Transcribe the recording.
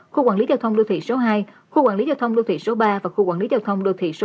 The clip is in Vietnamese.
khu quản lý giao thông đô thị số hai khu quản lý giao thông đô thị số ba và khu quản lý giao thông đô thị số một